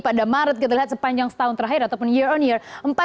pada maret kita lihat sepanjang setahun terakhir ataupun year on year